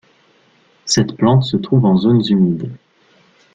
Cette plante se trouve en zones humides.